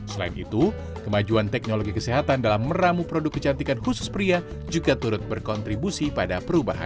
selain itu kemajuan teknologi kesehatan dalam meramu produk kecantikan khusus pria juga turut berkontribusi pada perubahan